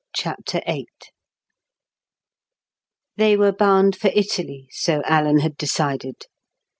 CHAPTER VIII They were bound for Italy; so Alan had decided.